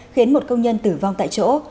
khiến một công nhân tử vong tại chỗ